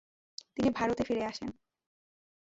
তিনি ভারতে ফিরে আসেন।